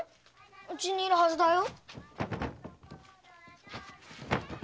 うちにいるはずだよ。